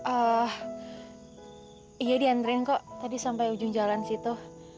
ah iya diantriin kok tadi sampai ujung jalan situ